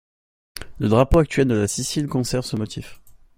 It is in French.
Le drapeau actuel de la Sicile conserve ce motif.